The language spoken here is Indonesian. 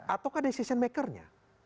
ataukah decision makernya